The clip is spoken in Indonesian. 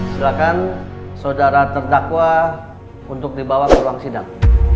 silakan saudara terdakwa untuk dibawa ke ruang sidang